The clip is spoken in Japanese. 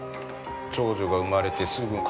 長女が産まれてすぐ買ったやつ。